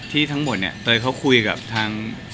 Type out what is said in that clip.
ทั้งหมดเนี่ยเตยเขาคุยกับทาง